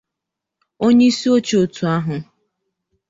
onyeisioche òtù ahụ